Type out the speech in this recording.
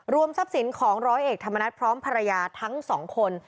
ทรัพย์สินของร้อยเอกธรรมนัฐพร้อมภรรยาทั้งสองคน